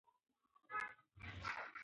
خیر محمد لکه یو ریښتینی اتل و.